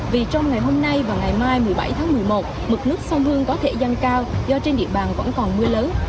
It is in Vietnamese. vì trong ngày hôm nay và ngày mai một mươi bảy tháng một mươi một mực nước sông hương có thể giăng cao do trên địa bàn vẫn còn mưa lớn